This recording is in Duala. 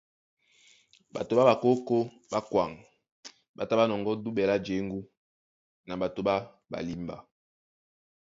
Ɓato ɓá ɓakókō ɓá kwaŋ ɓá tá ɓá nɔŋgɔ́ duɓɛ lá jěŋgú na ɓato ɓá ɓalimba.